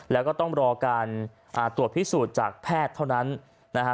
แล้วก็ต้องรอการตรวจพิสูจน์จากแพทย์เท่านั้นนะฮะ